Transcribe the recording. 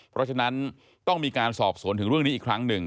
เพราะฉะนั้นต้องมีการสอบสวนถึงเรื่องนี้อีกครั้งหนึ่ง